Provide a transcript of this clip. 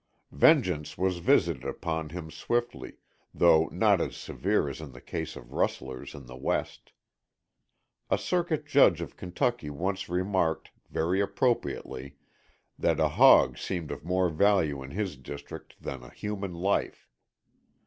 Vengeance was visited upon him swiftly, though not as severe as in the case of rustlers in the West. A circuit judge of Kentucky once remarked, very appropriately, that a hog seemed of more value in his district than a human life.